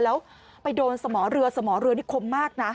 แล้วไปโดนสมอเรือสมอเรือนี่คมมากนะ